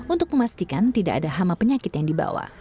untuk memastikan tidak ada hama penyakit yang dibawa